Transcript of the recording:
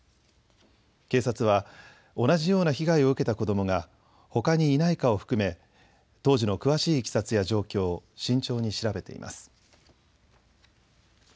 警察は同じような被害を受けた子どもがほかにいないかを含め当時の詳しいいきさつや状況を慎重に調べています。